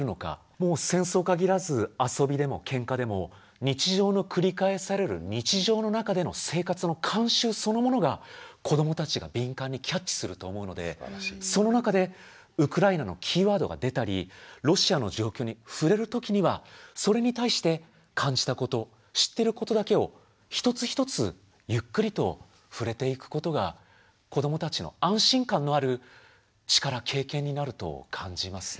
もう戦争限らず遊びでもケンカでも日常の繰り返される日常の中での生活の慣習そのものが子どもたちが敏感にキャッチすると思うのでその中でウクライナのキーワードが出たりロシアの状況に触れる時にはそれに対して感じたこと知ってることだけを一つ一つゆっくりと触れていくことが子どもたちの安心感のある力経験になると感じますね。